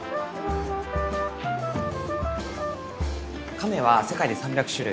亀は世界で３００種類